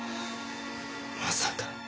まさか。